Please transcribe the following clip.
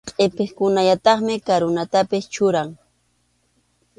Qʼipiqkunallataqmi karunatapas churaq.